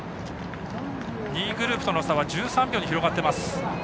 ２位グループとの差は１３秒に広がってます。